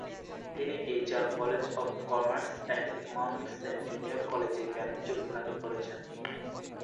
তিনি HR college of commerce and ইকোনমিক্স-এর junior কলেজে বাণিজ্য বিভাগে পড়েছেন।